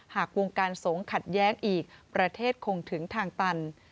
หากวงการสงฆ์ขัดแย้งอีกประเทศคงถึงทางตัน